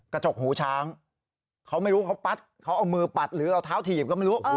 กระจกหูช้างเขาไม่รู้เขาปัดเขาเอามือปัดหรือเอาเท้าถีบก็ไม่รู้